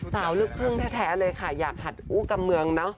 สาวลูกครึ่งแท้เลยค่ะอยากหัดอู้กับเมืองเนอะ